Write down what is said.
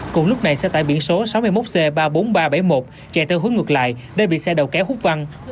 cùng lúc này xe tải biển số sáu mươi một c ba mươi bốn nghìn ba trăm bảy mươi một chạy theo hướng ngược lại đã bị xe đầu kéo hút văng